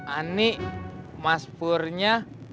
ani mas purnya